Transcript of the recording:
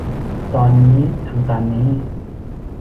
ตอนนี้ทำตามนี้